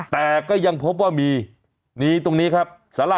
แต่ก็ยังพบว่ามีนี้ตรงนี้ครับสาราครับ